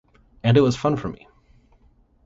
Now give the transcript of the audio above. And it was fun for me!